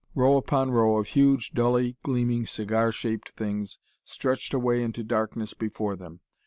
Row upon row of huge, dully gleaming cigar shaped things stretched away into the darkness before them.